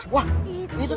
wah itu tuh